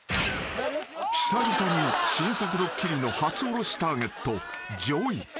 ［久々に新作ドッキリの初下ろしターゲット］